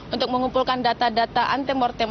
untuk mengumpulkan data data anti mortem